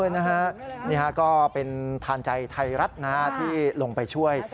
นี่ฮะก็เป็นทานใจไทยรัฐที่ลงไปช่วย